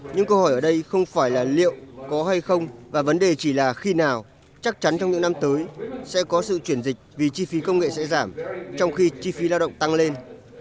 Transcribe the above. những câu hỏi ở đây không phải là liệu có hay không và vấn đề chỉ là khi nào chắc chắn trong những năm tới sẽ có sự chuyển dịch vì chi phí công nghệ sẽ giảm trong khi chi phí lao động tăng lên